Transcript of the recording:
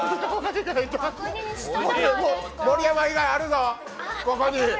盛山以外あるぞ、ここに。